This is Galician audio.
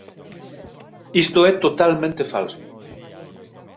Isto é totalmente falso.